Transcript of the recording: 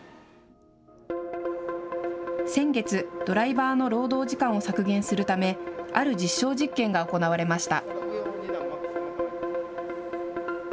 先月、ドライバーの労働時間を削減するため、ある実証実験が行われました。